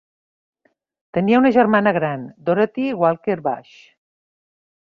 Tenia una germana gran, Dorothy Walker Bush.